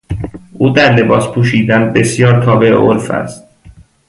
او در لباس پوشیدن بسیار تابع عرف است.